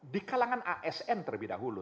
di kalangan asn terlebih dahulu